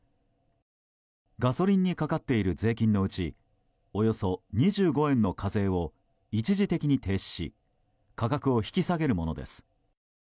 ガソリンにかかっている税金のうちおよそ２５円の課税を一時的に停止し価格を引き下げるものです。